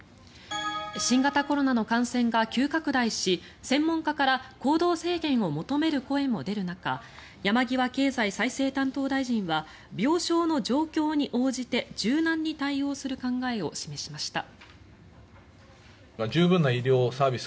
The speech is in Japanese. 新型コロナの感染が急拡大し専門家から行動制限を求める声も出る中山際経済再生担当大臣は病床の状況に応じて柔軟に対応する考えを示しました。